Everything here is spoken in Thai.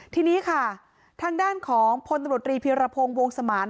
ที่นี้ค่ะทางด้านของพลตนตรีภิรพงศ์วงศ์สมาร์น